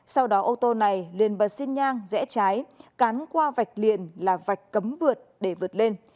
sau đó ô tô này lên bờ xin nhang rẽ trái cắn qua vạch liền là vạch cấm vượt để vượt lên